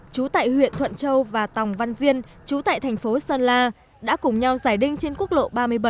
chú tại huyện thuận châu và tòng văn diên chú tại thành phố sơn la đã cùng nhau giải đinh trên quốc lộ ba mươi bảy